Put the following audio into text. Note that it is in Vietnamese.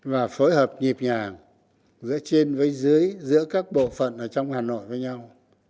và phối hợp nhịp nhàng giữa trên với dưới giữa các bộ phận ở trong hà nội với nhau